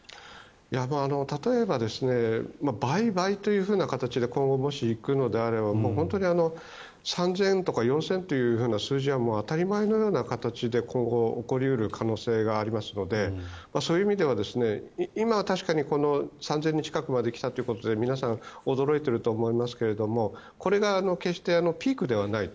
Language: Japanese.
例えば倍々という形で今後もし、行くのであれば本当に３０００とか４０００とかという数字は当たり前のような形で今後、起こり得る可能性がありますのでそういう意味では今は確かに３０００人近くまで来たということで皆さん、驚いていますけれどもこれが決してピークではないと。